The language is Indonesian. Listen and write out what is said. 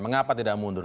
mengapa tidak mundur